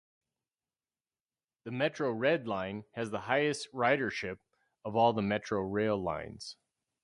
The Metro Red Line has the highest ridership of all the Metro Rail Lines.